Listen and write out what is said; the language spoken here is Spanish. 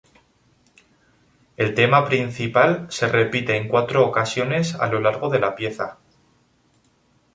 El tema principal se repite en cuatro ocasiones a lo largo de la pieza.